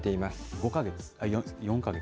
５か月？